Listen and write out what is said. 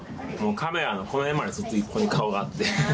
カメラのこの辺までずっとここに顔があって。